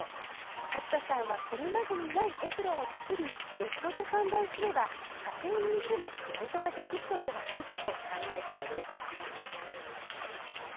勝田さんはこれまでにないエプロンを作りネットで販売すれば家庭にいても仕事ができるのではないかと考えたのです。